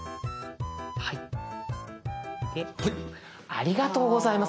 ありがとうございます。